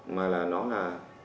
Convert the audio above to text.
mà nó là